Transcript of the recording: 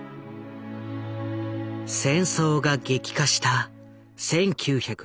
戦争が激化した１９４１年。